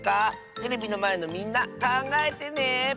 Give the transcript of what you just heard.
テレビのまえのみんなかんがえてね！